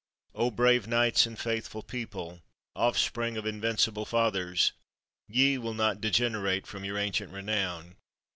Oh, brave knights and faithful people! offspring of invincible fathers! ye will not degenerate from your ancient renown.